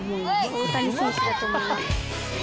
大谷選手だと思います。